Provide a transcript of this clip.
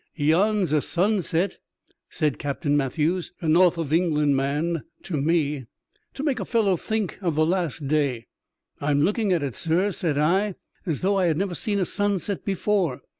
" Yon*s a sunset," said Captain Matthews, a North of England man, to me, ''to make a fellow think of the Last Day." " I'm looking at it, sir," said I, as though I had never seen a sunset before.